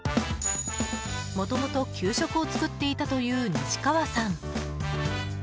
もともと給食を作っていたという西川さん。